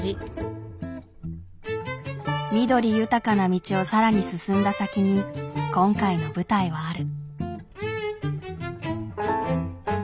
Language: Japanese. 緑豊かな道をさらに進んだ先に今回の舞台はある。